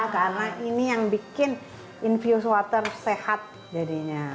karena ini yang bikin infuse water sehat jadinya